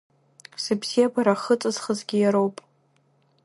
Сыбзиабара ахы ыҵызхызгьы иароуп…